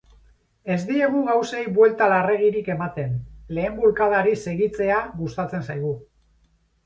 Ez diegu gauzei buelta larregirik ematen, lehen bulkadari segitzea gustatzen zaigu.